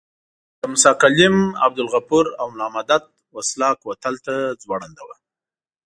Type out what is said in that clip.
د موسی کلیم، عبدالغفور او ملا مدت وسله کوتل ته ځوړند وو.